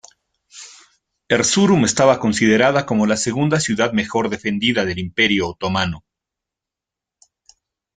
Erzurum estaba considerada como la segunda ciudad mejor defendida del Imperio otomano.